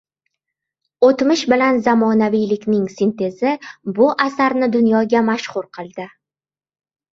O‘tmish bilan zamonaviylikning sintezi bu asarni dunyoga mashhur qildi.